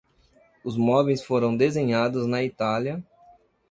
Os móveis foram desenhados na Itália